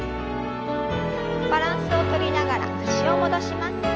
バランスをとりながら脚を戻します。